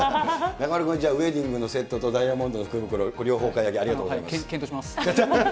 中丸君はじゃあ、ウエディングのセットとダイヤモンドの福袋両方、お買い上げあり検討します。